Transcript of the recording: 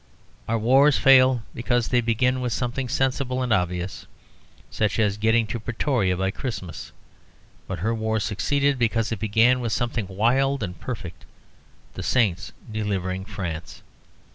Our wars fail, because they begin with something sensible and obvious such as getting to Pretoria by Christmas. But her war succeeded because it began with something wild and perfect the saints delivering France.